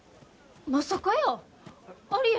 まさかやー。